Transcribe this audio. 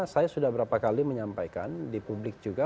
saya sudah berapa kali menyampaikan di publik juga